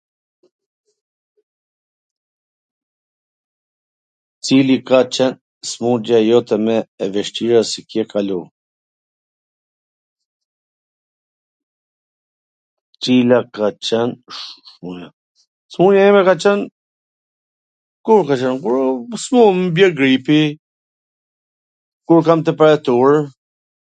Cila ka qwn smundja jote mw e vwshtira si ke kalu? Smundja ime ka qwn, kur ka qwn, kur,,, smun, bje gripi, kur kam temperatur,